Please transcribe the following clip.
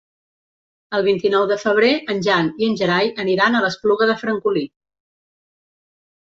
El vint-i-nou de febrer en Jan i en Gerai aniran a l'Espluga de Francolí.